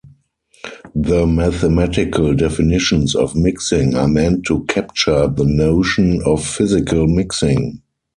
The mathematical definitions of mixing are meant to capture the notion of physical mixing.